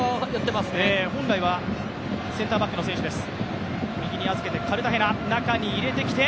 本来はセンターバックの選手です。